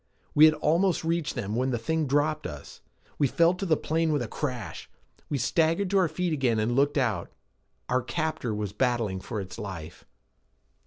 We had almost reached them when the thing dropped us. We fell to the plain with a crash. We staggered to our feet again and looked out. Our captor was battling for its life.